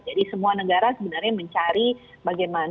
jadi semua negara sebenarnya mencari bagaimana berupaya keluar dari pandemi ini